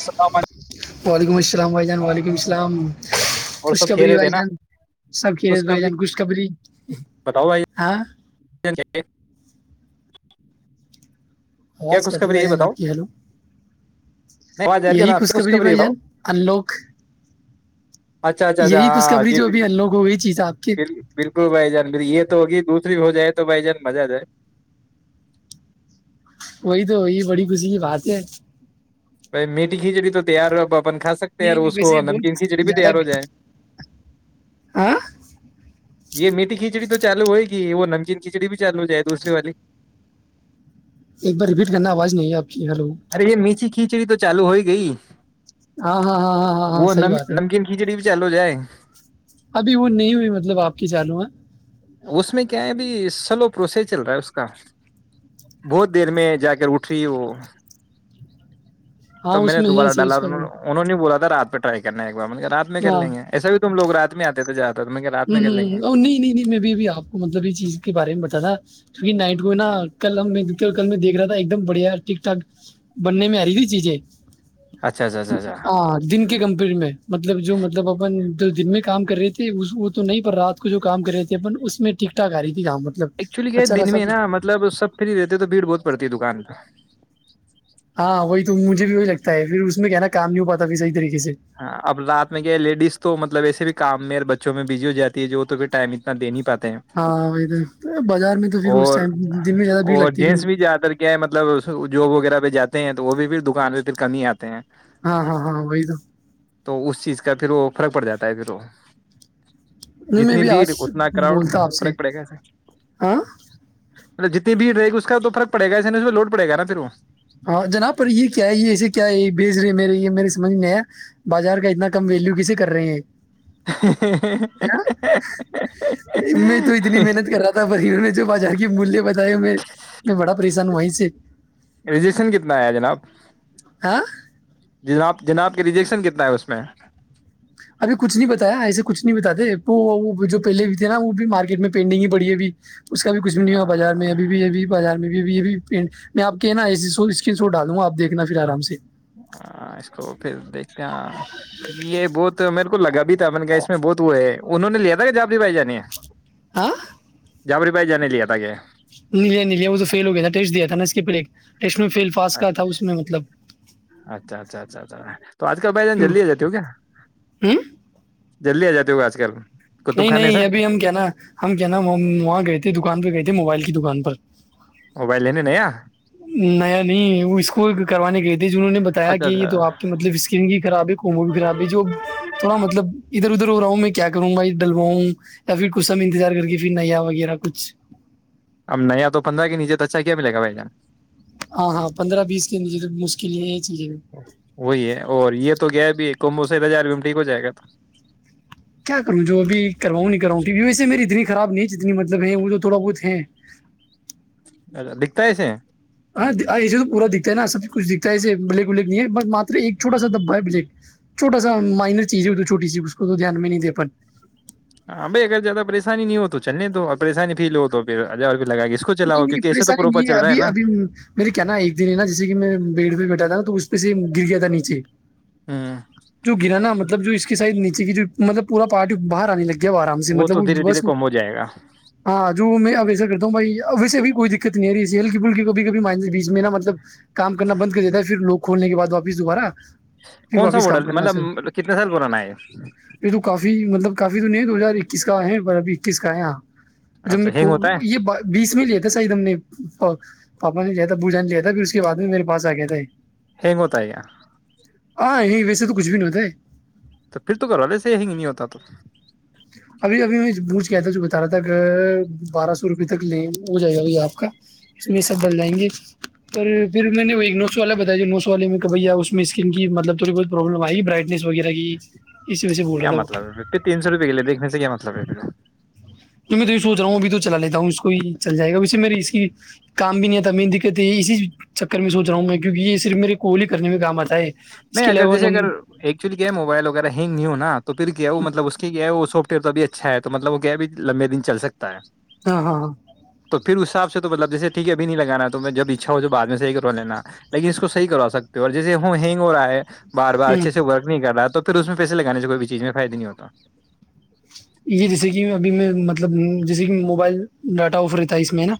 السلام علیکم وعلیکم السلام و جان و علیکم السلام اسلام اور سب خوشخبری کھیلے ب تھے نا جان سب کھیل بائی خوشخبری جان خوشخبری بتاؤ بھائی ہاں جان، کیا کیا آواز پٹری خوشخبری بھائی یہ جان بتاؤ آپ کی ہیلو نہیں ج یہی آپ خ خوشخبری خبری ہے بھائی بھ جان انلوک اچھا اچھا ا یہی ہاں خوشخبری جی جو ب ابھی انلوک ہو گئی چیز آپ کی بالکل بھائی جان یہ تو ہوگی دھ ہو جائے تو بھائی جان مزہ جائے وہی تو وہی بڑی خوشی کی بات ہے بائی میٹھی کھیچڑی تو تیار ہو پپ اپن کھا سکتے ہیں یار یہ اس ویسے کو نمکین بہت کھچڑی بھی تیار زیادہ ہو جائے ہاں یہ میٹھی کھچڑی تو چالو ہوئے گی وہ نمکین کھچڑی بھی چالو ہو جائے دوسری والی ایک بار رپیٹ کرنا آواز نہیں ہے آپ کی ہیلو ارے یہ میچھی کیا کھچڑی تو چالو ہوئی گئی ہاں ہاں ہاں ہاں ہاں ہاں صحیح بات ہے چلو جائے ابھی وہ نہیں ہوئی مطلب آپ کی چالو ہے اس میں کیا ہے اب سلو پروسیس چل رہا ہے اس کا بہت دیر میں جا کر اٹھ رہی وہ ہاں تو میں اس نے ہے دوبارہ صحیح اس کا ڈالاوں انہوں نے بولا تھا رات پہ رائی کرنے مطلب رات میں کر لیں گے ایسا بھی تم لوگات میں آتے [inaudible] ہ ہ میں کر لیں گے نہیں نہیں نہیں میں بھیبھی آپ کو مطلب یہ چیز کے بارے میں بتا تھا کیونکہ نائٹ کو ہے نا کل ہم میں کل میں دیکھ رہا تھا ایک دم بڑھیا ٹھیک ٹھاک بننے میں آ رہی تھی چیزیں اچھا اچھا اچھا اچھا آ دن کی کمپ میں مطلب جو مطلب اپن دن میں کام کر رہے تھے اس تو نہیں پر رات کو جو کام کر رہے تھے اپن اس میں ٹیکٹاک آ رہی تھی کام مطلب ایکچولی کیا ہے اچھا دن خاصا میں نا کچھ۔ مطلب سب فری رہتے تو بھیڑ بہت پڑتی ہے دکان پہ ہاں وہی تو مجھے بھی ہو سکتا ہے پھر اس میں کہنا کام نہیں ہو پا پھر صح ہاں اب رات میں کیا لیڈیز تو مطلب ایسے بھی کام میں بچوں میں بزی ہو جات ہے جو توھر ٹائم ات دے نہیں پاتا ہیں ہاں وہی تو بازار میں تو پھر اس اور ٹائم دن میں زیادہ بھیڑ اور لگتی ہے پھر جینس وہ بھی زیادہ تر کیا ہے مطلب جو وغیرہ پہ جاتے ہیں تو وہ بھی پھر دکان پہ پھر کم ہی آتے ہیں ہاں ہاں ہاں وہی تو تو اس چیز کا پھر وہ فرق پڑ جاتا ہے پھر وہ نہیں میں جتنی بھی بھیڑ آج اتنا کراؤڈ بولتا آپ سے فرق پڑے ہاں مب جتنی بھیڑ رہ گ اس کا تورقڑے گا اسے اس میں لو پڑے گا پھر ہاں جناب پر یہ کیا یہسے کیا ہے یہ بھیج رہے ہیں میرے یہ میرے سمجھ نہیں آیا بازار کا اتنا کم ویلو کیسے کر رہے ہیں میں تو اتنی محنت کر رہا تھا پر میں جو بازار کی مولیہ بتائے میں میں بڑا پریشان ہوں وہیں سے ین کتنا ہے جناب ہ جناب جناب کے ریجیکشن کتنا ہے اس میں ابھی کچھ نہیں بتایا ایسے کچھ نہیں بتاتے تو جو پہلے بھی تھے نا وہ بھی مارکیٹ میں پینڈنگ ہی بڑھیی ہے بھیھی اس کا بھی کچھ بھی نہیں ہوا بازار میں اب بھی اھی بازار میں بھی یہ بھی پینٹ میں آپ کہ نا ایے سو اسکرین سو ڈال دوںا آپیکھنا پھر آرام سے ہ اس کو پھر دیکھتے ہیں کیونکہ یہ بہت میرے کو لگ گبھی تھا بن گ اس میں بہت وہ ہے انہوں نے لیا تھا کہ جاپی بھائی جانے آ جافری بھائی جان لیا تھا کیا نہیںے نہیں وہ تو فیل ہو گیا تھا ٹیٹ دیا تھا نا اس کے پلے اچ اچھا اچھا اچھا اچھا تو آج کل بھائی جان تو۔ جلدی آ جاتے ہو کیا ہوں جلدی آ جاتے ہوا آج کل کتب نہیں خانے نہیں سے ابھی ہم کیا نا ہم کیا نا وہاں گئے تھے دکان پہ گئے تھے موبائل کے دکان پر موبائل لینے نیا نیا نہیں وہ اسکول کرانی گئی تھی جنہوں نے بتایا اچھا کہ یہ اچھا تو آپ کی مطلب اسکرین بھی خراب ہے کومو بھی خراب ہے جو تھوڑا مطلب ادھر ادھر ہو رہا ہوں میں کیا کروں گا یا پھر کسا میں انتظار کر کے پھر نیا وغیرہ کچھ اب نیا تو پندرہ کے نیچے تو اچھا کیا ملے گا بھائی جان ہاں ہاں پندرہ بیس کے نیچے مشکل ہے چیزیں وہی ہے اور یہ تو گ ہے بھی ایک تو موس ہزارو میں ٹھیک ہو جائے گا تو کیا کروں جو ابھی کرواؤں نہیں کراؤں کیکہ ویسے میری اتنی خراب نہیں جتنی مطلب ہے وہ جو تھوڑا بہت ہے اچا دکھتا ہےسے ہاں ایسے تو پورا دکھتا ہے نا سب کچھ دکھتا ہے ایے بلیک ولیک نہیں ہے بس مر ایک چھٹا سا دبا ہے بلیک چھوا سا مائنر چیز ہے چھوٹی سی اس کو تو دھیان میں نہیں دا ہاں بھائی اگر زیادہ پریشانی نہیں ہو تو چلنے تو اور پریانی فیل ہو تو پھر لگا کے اس کو نہیں چلاؤ نہیں کیونکہ ایسے تو پریشانی پروپر نہیں ہے چل رہا ابھی نا ابھی میرے کیا ن ایک دن ہے نا جیسے کہ میں بھیڑ بھیڑ بیٹھا تھا نا تو پچ گر گیا تھا نیچے ہوں جو گرا نا مطلب جو اس کے سائڈ نیچے س کی جو مطلب پورا پارٹی باہر آنے لگی گؤ آرام سے مطلب تو وہ دھیرے دھیرے بس کم ہو جائے گا ہاں جو میں اگ کتوں بائی ویے بھی کوئی دقت نہیں آ رہی اسی ہلک پلکی کھی کب منے بیچ میں نہ مطلب کام کرنا بند کر دیتا ہے پھر لوگ کھولنے کے بد واپس دوبارہ پھر کون سا واپس کام ماڈل کرنا مطلب سر کتنے سال پرانا ہے یہ تو کافی مطلب کافی تو نہیں دو ہزار اکیس کا ہے پر ابھی اکیس کا ہے یہاں اچھا ج کو ہینگ ہوتا ہے یہ بیس میں لیا تھا نے پاپا نے لیا تھا بوجا نے لیا تھا پھر اس کے بعد میں میرے پاس آ گیا تھا ہگ گوت ہاں یہ ویسے تو کچھ بھی نہیںتا تو پھر تو گھر والے سے یہی نہیں ہوتا تو ابھی ابھی میں بجھ کیا تھا جو بتا رہا تھا کہ بارہ سو روپے تک ل ہو جائے گا بھ آپ کا اس میں سب بل جائیں گے اور پھر میں نے وہ ایک نوسو والا بتایا جو نوسو والے میں کہ بھیا اس میں اسکن کی مطلب تھوڑی بہت پربلم آئی برائٹ ب وہ اس و ب رہا تھا مت با تو میں تو یہ سوچ رہا ہوں ابھی تو چلا لیتا ہوں اس کو چل جائے گا اس سے مے اس کی کام بھی نہیںتا میری دقت ہے یہ اسی چکر میں سو رہا ہوں میں کیک یہ صرف میرے کوال ہی کرنے میں کام آتا ہے اس نہیں کے اگر علاوہ جیسے نم اگر ایکچولی کیا ہے موبائل وغیرہ ہینگ نہیں ہوناا تو پھر کیا ہے وہ مطلب اس کی کیا ہے وہ سوپ پھر توبھی اچھا ہے تو مطلب وہ کیا ہے بھی لمبے دنلکتا ہے ہاں ہاںاں ھر اسساب سے مطلب جیے ٹھیک ابھی نہیں لگانا تو میں جب اچھا ہو تو بع میں صح کرو لینا لیکن اس کو صح کرو سکتے ہو اور جیے ہم ہ ہنگ ہو رہا ہے بار بار ہوں۔ اچھے سے ورک نہیں کر رہا ہے تو پھر اس میں پیے لگانے سے کوئی بھی چیز میں فائد نہیں ہوتا یہ جیسے کہ ابھی میں مطلب جیسے کہ موبائل ڈاٹا آف رہتا ہے اس میں ہے نا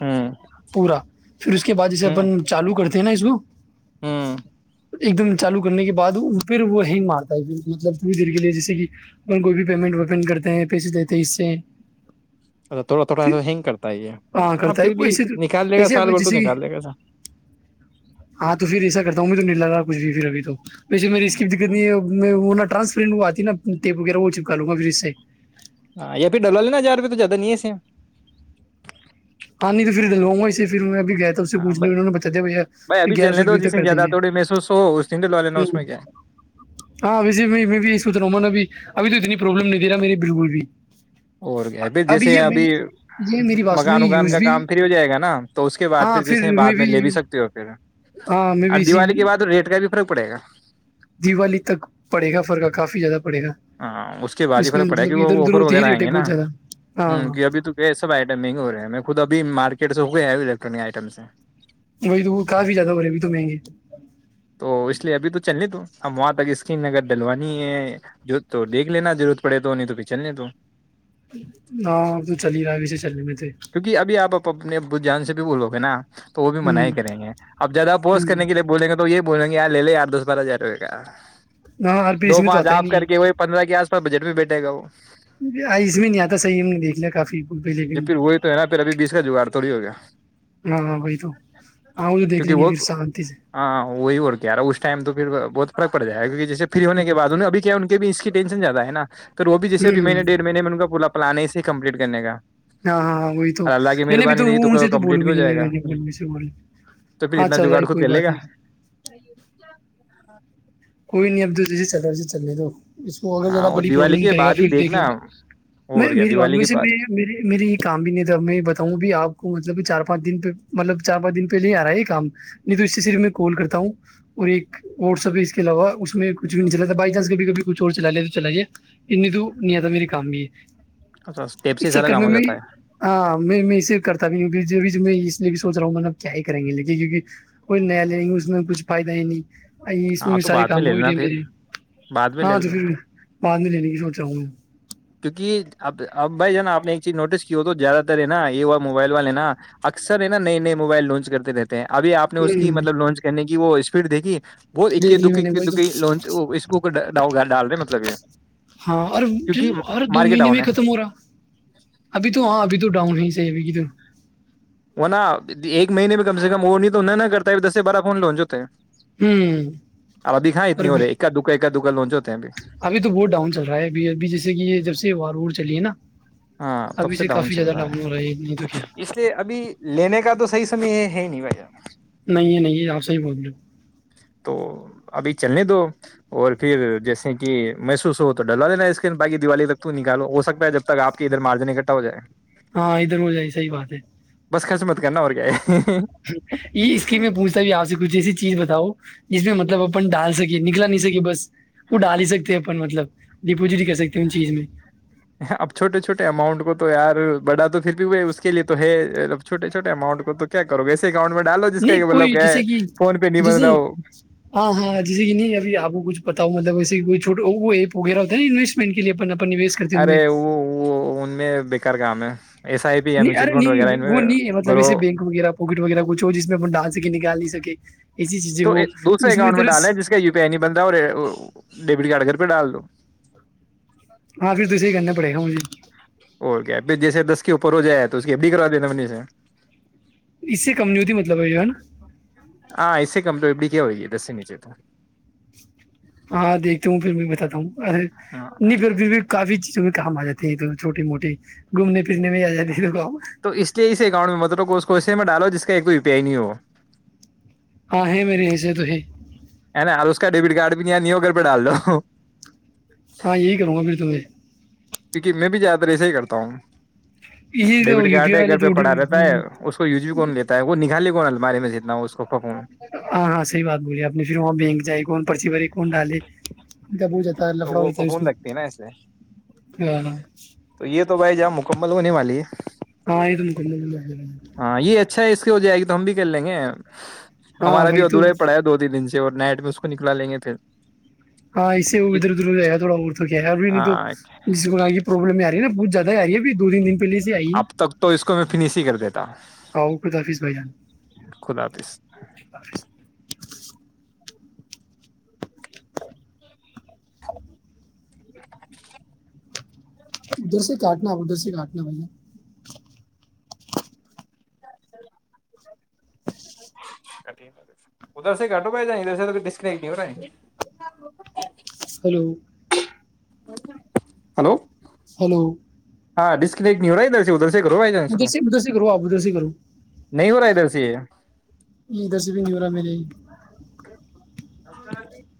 ہوں پورا پھر اس کے بعد جے اپن چالو کرتے تھ نا اس کو ہاں ایک دم چالو کرنے کے بعد پھر وہ ہینگ مارتا ہے پھر مطلب تھووری دیر کے لیے جیسے کہگر کوئی بھی پیمنٹ اوپن کرتے ہیں پیسے دیتے ہیں اس سے اچھا تھوڑا تھوڑا پھر ایسا ہینگ کرتا ہے یہ ہاں آ کرتا ہے پھر وہ بھی ایسے تو نکال لے گا ایسے سال اب بھر تو جیسے کہ نکال لے گا ایسا ہاں تو پھر ایسا کرتا ہوں میں تو نہیں لگا کچھ بھی پھر ابھی تو ویسے میری اس کی دقت ہے میں وہرانسپٹ وہ وہ کروں گا پھر اس سے ہاں یا پھر ڈلا لینا جار روپئے تو زیادہ نہیں ہےسے ہاں نہیں تو پھر ڈلواںا اسسے پھر میں ابھی گیا اس سے ہاں پوچنے بھائی انہوں نے بتا دیا بھائی ب ابھی گیارہ سو چلنے دو چس جس تک دن کر دیں زیادہ گے تھوڑے محسوس ہو اس دن ڈلوا لینا ہ اس میں کیا ہے۔ ہاں ای بھی سو رہا ہوں نے اب ابھی تو اتنی پروابلم نہیں دے رہا میری بالکل بھی اور گیا پ جیسے ابھی یہ میری بات سنو مگر یہ اگان یوز کا بھی کام فری ہو جائے گا نا تو اس کے بع پھر جیسے بعد میں لے بھی سکتے ہو پھر ہاں میں اور بھی اسی دیوالی کے بعد ریٹ کا بھی خرق پڑے گا دیوالی تک پڑے گا فرق کافی زیادہ پڑے گا ہاں اس کے بعد ہی میں فرق پڑےا کی مطلب وہ ادھر ادھر آفر ہوتی ہی وغیرہ آئ ریٹ ہے گے نا بہت زیادہ ہاں ہ ابھی تو سب آئٹم مہنگے ہو رہے ہیں میں خود ابھی مارکٹ س ہو ہے ایکٹرک آئٹمس سے وہی تو وہ کافی زیادہ ہو رہے ابھی تو مہنگے تو اس لیے ابھی تو چلنے تو ہمب وہاں تک اسکرین اگر ڈلوانی ہے جو تو دیکھ لینا ضرورت پڑے تو نہیں تو پھر چلنے تو ہاں اب تو چل ہی رہا ہے ویسے چلنے میں تھے کیونکہ ابھیپ اپنے ب جان سے بھی بولو گے نا تو وہ بھی من ہوں ہی کریں گے اب زیادہ اپوس ہوں کرنے کےے بولے گا تو یہ بول گےیار لے ی دس بارہ ہزار روپئے کا ہاں ار پھر اس دو میں تو پانچ آتا ہی آپ کر نہیں کے وہی پندرہ کے آس پاس بجٹ میں بیٹھے گا وہ ہے اس میں نہیں آتا صحیح ہم نے دیکھ لیا کافی پ جی لیکن پھر وہی تو ہے پھر ابھی بیس کا جگاڑ تھوڑی ہو گیا ہاں ہاں وہی تو ہاں تو دیکھ کیونکہ لیں گے وہ پھر شانتی سے ہاں وہی اور کیاارا اس ٹائم تو پھر بہت فرق پڑ جائے گا کہ جس فری ہونے ہوں کے بد انہ ابھی کیا ان کے ب اس کی ٹینشن زیادہ ہے نا تو وہ بھی جیس بھیبہینےیڑ ہاں مہی میں ان کا پورا پلان اس ہی کمپلیٹ کرنے کا ہاں ہاں ہاں وہی تو اور اللہ کی نہیں نہیں تو مہربانی رہی وہ ان سے تو کمپلیٹ بولوں بھی ہو گ جائے گا نہیں میں ب سے بول تو پھر ہاں اتنا چل رہا جگاڑ ہے خود کوئی کر بات لے گا نہیں کوئی نہیں ابدل جی چلو جی چلے دو اس کو اگر ہاں زیادہ وہ بڑی دیوالی پربلم کے کرے گا بعد پ ہی دیکھ لوں دیکھنا گا میں اور کیا دیوالی کی میریاتے میں بات میرے یہ کام بھی نہیں تھا میں بتاؤں بھی آپ کو مطلب چار پانچ دن پہ مطلب چار پانچ دن پہلے ہی آ رہا ہے یہ کام نہیں تو اس سے صرف میں کال کرتا ہوں اور ایک واٹسپ اس کے علاوہ اس میں کچھ بھی نہیں چلا تھا بائی چانس کبھی کبھی کچھ اور چلا لیا تو چلا جے انی تو نہیں آتا میرے کام بھی یہ ہے اسٹیپ سے ہی اس سارا چکر کام میں ہو میں جاتا ہے ہاں میں میں اسے کرتا بھی ہوں میں سوچ رہا ہوں م میںلب کیا ہی کریں گ لیکن کیہ کوئی نیا لیں گے اس میں کچھ فائد ہی نہیں ا ہاں بھی تو سار بعد میں کام لے ہو بھی لینا نہیںے پھر میرے بعد میں لے ہاں تو لینا پھر بعد میں لنے جو چاہوں کیک اب اب بھائی ہے نا آپ نے ایک چیز نوٹس کی ہو تو زیادہ تر ہے نا یہ ہوا موبائل والے نا اکثر ہے نا نئے نئے موبائل لانچ کرتے رہتے ہیں اب آپ نے میں اس کی ہوں، مطلب لانچ کرنے کی وہ اس پھر دیکھی وہ ا دیکھ لی دک میں نے وہی تو دک لچ اس بک ڈاؤ گ ڈال د مطلب یہ ہاں اور کیونکہ اور دو مارکیٹ مہینے ڈاؤن بھی ہے ختم ہو رہا ابھی تو ہاں ابھی تو ڈاؤن ہی د و کی تو وہناا ایک مہینے میں کم سے کم وہ نہیں تو کرتا ہے دس سے بارہ فون لونچ ہوتے ہیں ہوں آاد کاں اور اتنی ہو رہ ہے اا دک دگا لونچو ابھی تو بہت ڈاؤن چل رہا ہے ا ابھی جیسے کہ یہ جب سے وار وور چلیے نا ہاں تب ابھی سے ڈاؤن کافی چل زیادہ رہا ہو نہیں تو ہے کیا اس لیے ابھی لینے کا تو صحیح سمے ہے نہیں [inaudible] نہیں ہے نہیں آپ سے ہی بول لو تو ابھی چلنے دو اور پھر جیسے کہ محسوس ہو تو ڈلوا لینا اس کے باقی دیوالی تک تو نکالو ہو سکتا ہے جب تک آپ کے ادھر مارجن اکٹھا ہو جائے ہاں ادھر ہو جائے صحیح بات ہے بس کس میں ہ یہ اس کی میں پوچھتا بھی آپ سے کچھ جسی چیز بتاؤ جس میں مطلب اپن ڈال سکے نکلا نہیں سکے بس وہ ڈال ہی سکتے اپن مطلب ڈپوزٹ ہی کر سکتے ہیں ان چیز میں اب چھوٹے چھوے اماؤنٹ کو تو یار بڑا تو پھر بھی ہوئے اس کے لیے تو ہے ابھوٹے چھوٹے اماؤنٹ کو تو کیا کرو ایسے اکاؤنٹ میں ڈالو جس کا نہیں مطلب کوئی کیا ہے جسی کی فون پہ نہیں بن رہا جسے ہو ہاں ہاں جسے کی نہیں ابھی آپ کو کچھ بتاؤ مطلب ئی چھوٹ وہ وغیر ہوتا نا انوسٹمنٹ کے لیے اپن اپن نویش کرتے ہیں ان میں ارے وہ وہ ان میں بیکار کام ہے ایس آئی پی یا نہیں میوچل ارے فنڈ وغیرہ نہیں ان وہ میں نہیں ہے مطلب گرو ایسے بینک وغیرہ پواکٹ وغیرہ کچھ ہو جس میں اپ ڈھال سک نکال نہیں سکے ایسی چیزیں تو ہو دوسرے اس اکاؤنٹ ادھر میں ڈالیں جس کا یو پی آئی نہیں بنتا اور ڈیبٹ کارڈ اگر ر پہ ڈال لو ہاں پھر تے ہی کہنے پڑے ہو جی اور کیا پھر جیسے دس کے اوپر ہو جائے تو اس کی ا ڈی کروا دینا منی سے اس سے کمزورور مطلب ہے یہ ہے نا ہاں اس سے کم تو ابڑی کیا ہوئی گئی دسی نیچے تو ہاں دیکھتا ہوں پھر میں بتاتا ہوںے ہاں نہیں پ پھر بھی کافی چیزوں میں کام آ جاتے ہیں تو چوٹے موٹے گھومنے پھرنے میں آ جاتے ہیں تو کام تو اس لیے اسی اکاؤنٹ میں مطلب اس کوے میں ڈالو ج کا یہ کوئی ی پی آئی نہیں ہو ہاں ہے میرری ای سےے تو ہے ہے نا اور اس کا ڈیبٹ کارڈ بھی نہیں نہیں ہو کر پہ ڈال لو ہاں یہ کر ہو بھی توے کیونکہ میں بھی زیادہ تر ایسا ہی کرتا ہوں یہ جو ڈیبٹ یو کارڈ پی ہے آئی گھر والے پہ پڑھا رہتا ہے تو اس کو یو جی کون لیتا ہے وہ نکالی المارے میں جتنا اس کو پھپون ہاں ہاں صحی بات بولی آپ نے پھر وہاں بینک جائے کون پرچی بھرے نڈ آے بہتا تو لفڑاؤ وہ جتا ہےس پھپون لگتی ہے نا اس لیے ہاں تو یہ تو بھائی جب مکمل ہونے والی ہے ہاں ا م کند ہاں یہ اچھا ہے اس ہو جائے گی تو ہم بھی کر لیں گے ہاں ہمارا بھی وہی تو ادھورا ہی پڑا ہے دو تین دن سے اور نائٹ میں اس کو نکلا لیں گے پھر ہاں اس سے وہ ادھر ادھر جائے گا تھوڑا اور تو کیا ہے اور بھی نہیں تو ہاں، جسگ پرلم نا پچھ زا ہے ی یہ بھی اب تک تو اس کو میں فنش ہی کر دیتا آؤ خدا حافظ بھائی جان خد حافظ [inaudible] ادھر سے کاٹنا ادھر سے کاٹنا ہے بھیا ادھر سے کٹو پئے ج ادھر سے ڈسک نہیں ہلو ہلو ہلو ہاں ڈسکور ادھر سے ادھر سے کرو آپ ادھر سے کرو نہیں ہو رہا ہے ادھر سے ادھر سے بھی نہیں ہو رہا میرے [inaudible]